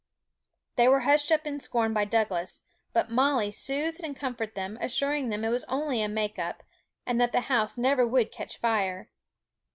They were hushed up in scorn by Douglas; but Molly soothed and comforted them, assuring them it was only a make up, and that the house never would catch fire.